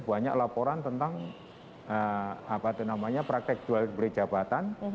banyak laporan tentang praktek dual berjabatan